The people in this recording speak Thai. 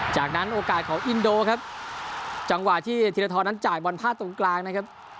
จากนั้นโอกาสของอินโดครับจังหวะที่ธีรทรนั้นจ่ายบอลพลาดตรงกลางนะครับ